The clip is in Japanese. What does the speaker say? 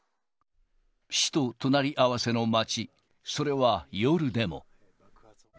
死と隣り合わせの街、それは夜でも。